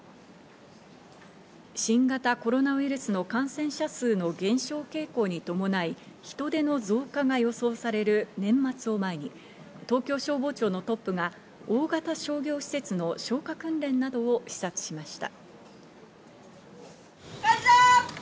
新型コロナウイルスの感染者数の減少傾向に伴い、人出の増加が予想される年末を前に東京消防庁のトップが大型商業施設の消火訓練などを視察しました。